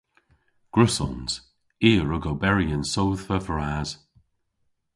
Gwrussons. I a wrug oberi yn sodhva vras.